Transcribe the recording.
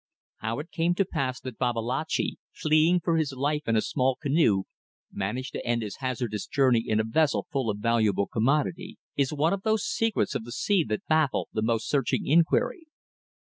How it came to pass that Babalatchi, fleeing for his life in a small canoe, managed to end his hazardous journey in a vessel full of a valuable commodity, is one of those secrets of the sea that baffle the most searching inquiry.